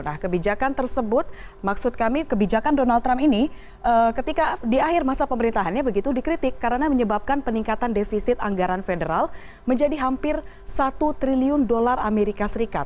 nah kebijakan tersebut maksud kami kebijakan donald trump ini ketika di akhir masa pemerintahannya begitu dikritik karena menyebabkan peningkatan defisit anggaran federal menjadi hampir satu triliun dolar amerika serikat